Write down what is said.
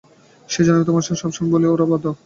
সেজন্যই তো আমি সবসময় বলি ওরা বাঁদর।